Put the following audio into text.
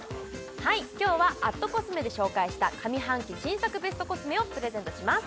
はい今日は＠ｃｏｓｍｅで紹介した上半期新作ベストコスメをプレゼントします